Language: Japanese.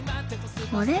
あれ？